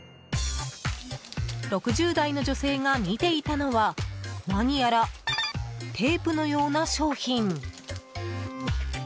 ６０代の女性が見ていたのは何やらテープのような商品。